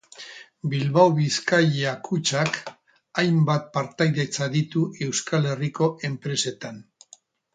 Bilbao Bizkaia Kutxak hainbat partaidetza ditu Euskal Herriko enpresetan.